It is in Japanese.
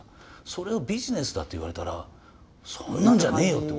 それをビジネスだって言われたらそんなんじゃねえよって。